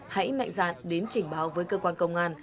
hãy mạnh dạn đến trình báo với cơ quan công an